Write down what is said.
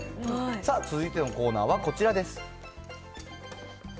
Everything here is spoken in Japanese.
さあ続いてのコーナーはこちらです。